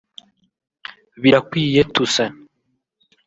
Birakwiye Toussaint